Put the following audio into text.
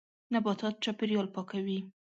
نباتات چاپېریال پاکوي.